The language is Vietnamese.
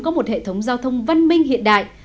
có một hệ thống giao thông văn minh hiện đại